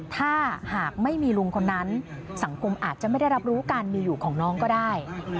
ถ้าหากไม่มีลุงคนนั้นสังคมอาจจะไม่ได้รับรู้การมีอยู่ของน้องก็ได้